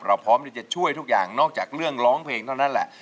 พร้อมที่จะช่วยทุกอย่างนอกจากเรื่องร้องเพลงเท่านั้นแหละ